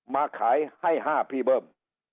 มาขายให้๕พี่เบิ้ม